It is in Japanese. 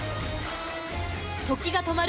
時が止まる